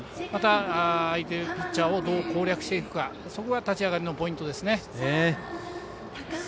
また、相手ピッチャーをどう攻略していくかそこが立ち上がりのポイントです。